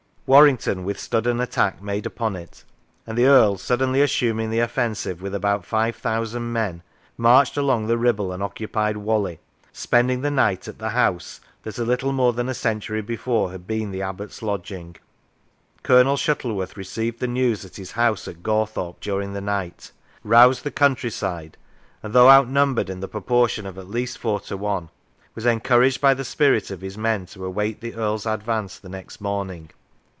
Warrington withstood an attack made upon it, and the Earl, suddenly assuming the offensive with about five thousand men, marched along the Ribble and occupied Whalley, spending the night at the house that a little more than a century before had been the Abbot's lodging. Colonel Shuttleworth received the news at his house at Gawthorpe during the night, roused the countryside, and though outnumbered in the proportion of at least four to one, was encouraged by the spirit of his men to await the Earl's advance the next morning.